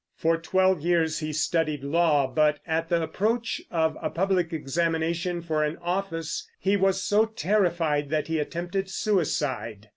For twelve years he studied law, but at the approach of a public examination for an office he was so terrified that he attempted suicide.